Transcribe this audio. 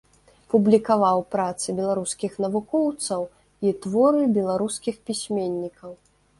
Публікаваў працы беларускіх навукоўцаў і творы беларускіх пісьменнікаў.